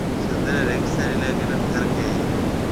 سنڌ رَي ريگستاني علائقيَ نيَ ٿر ڪيَ ھيََََ